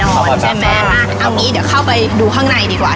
อันนี้เดี๋ยวเข้าไปดูข้างในดีกว่า